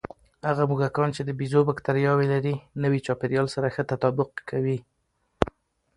هغه موږکان چې د بیزو بکتریاوې لري، نوي چاپېریال سره ښه تطابق کوي.